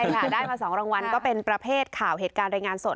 ใช่ค่ะได้มา๒รางวัลก็เป็นประเภทข่าวเหตุการณ์รายงานสด